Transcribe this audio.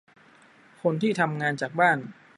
คนที่ทำงานจากบ้าน